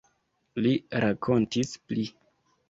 Li rakontis pli.